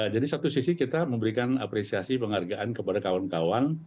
jadi satu sisi kita memberikan apresiasi penghargaan kepada kawan kawan